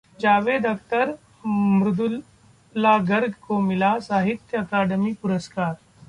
जावेद अख्तर, मृदुला गर्ग को मिला साहित्य अकादमी पुरस्कार